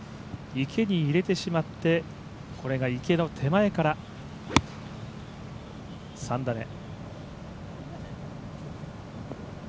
池に入れてしまってこれが池の手前から３打目。